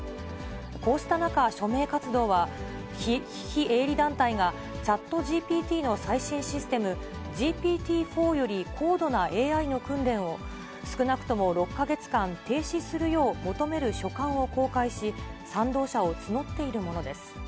こうした中、署名活動は非営利団体がチャットＧＰＴの最新システム、ＧＰＴー４より高度なＡＩの訓練を、少なくとも６か月間停止するよう求める書簡を公開し、賛同者を募っているものです。